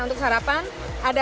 untuk apa saja